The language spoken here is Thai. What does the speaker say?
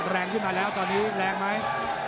แรงขึ้นมาแล้วตอนนี้แรงไหม